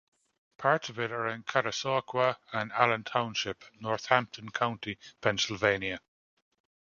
Parts of it are in Catasauqua and Allen Township, Northampton County, Pennsylvania.